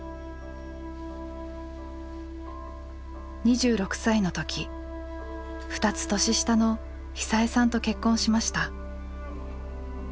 ２６歳の時２つ年下の久枝さんと結婚しました。